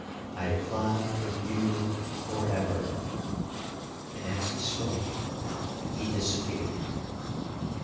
—I fly from you for ever!' And as he spoke, he disappeared.'